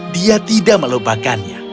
dia tidak melupakannya